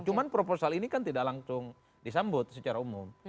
cuma proposal ini kan tidak langsung disambut secara umum